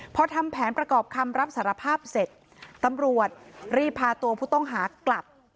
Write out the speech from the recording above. พอทำแผนประกอบคำรับสารภาพเสร็จตำรวจรีบพาตัวผู้ต้องหากลับ